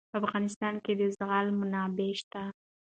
په افغانستان کې د زغال منابع شته.